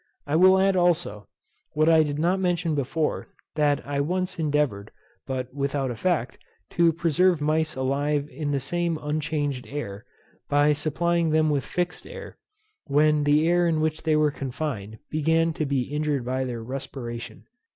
I will add, also, what I did not mention before, that I once endeavoured, but without effect, to preserve mice alive in the same unchanged air, by supplying them with fixed air, when the air in which they were confined began to be injured by their respiration.